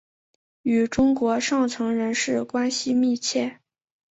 与中国上层人士关系密切。